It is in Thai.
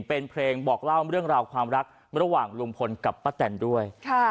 เป็นเพลงบอกเล่าเรื่องราวความรักระหว่างลุงพลกับป้าแตนด้วย